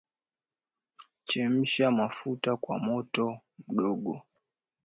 chemsha mafuta kw moto mdogo